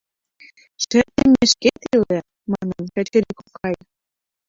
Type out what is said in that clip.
— Шер теммешкет иле, ман, Качыри кокай.